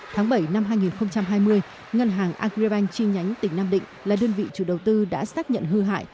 tháng bảy năm hai nghìn hai mươi ngân hàng agribank chi nhánh tỉnh nam định là đơn vị chủ đầu tư đã xác nhận hư hại